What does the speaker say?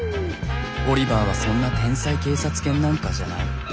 オリバーはそんな天才警察犬なんかじゃない。